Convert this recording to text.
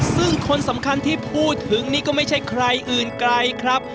ซึ่งคนสำคัญที่พูดถึงนี่ก็ไม่ใช่ใครอื่นไกลครับ